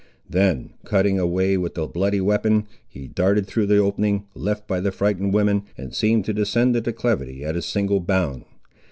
Then cutting a way with the bloody weapon, he darted through the opening, left by the frightened women, and seemed to descend the declivity at a single bound.